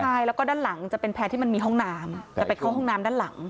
ใช่แล้วก็ด้านหลังจะเป็นแพร่ที่มันมีห้องน้ำจะไปเข้าห้องน้ำด้านหลัง